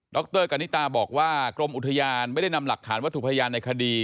รกานิตาบอกว่ากรมอุทยานไม่ได้นำหลักฐานวัตถุพยานในคดี